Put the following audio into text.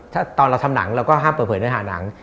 ถ้าตอนเราทำหนังเราก็ห้ามเปิดเผยเนื้อหาหนัง